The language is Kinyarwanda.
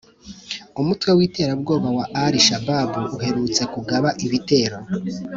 Umutwe witera bwoba wa alishababu uherutse kugaba ibitero